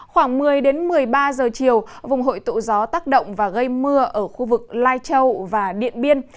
khoảng một mươi đến một mươi ba giờ chiều vùng hội tụ gió tác động và gây mưa ở khu vực lai châu và điện biên